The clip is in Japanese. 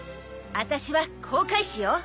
私は航海士よ。